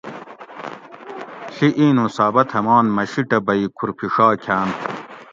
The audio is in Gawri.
ڷی اِینوں ثابت ہمان مہ شِیٹہ بھئی کُھر پِھڛا کھاۤنت